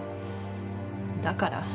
だから。